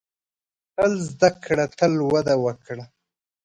• تل زده کړه، تل وده وکړه.